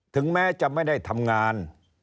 ถึงแม้จะไม่ได้ทำงาน